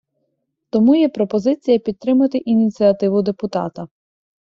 Тому є пропозиція підтримати ініціативу депутата.